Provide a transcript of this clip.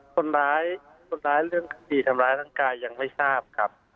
คนร้ายเรื่องที่ทำร้ายทางกายยังไม่ทราบครับ